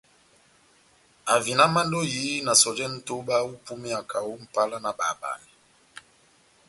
Ahavinamandi ó ehiyi na sɔjɛ nʼtoba ó ipúmeya kaho ó Mʼpala na bahabanɛ.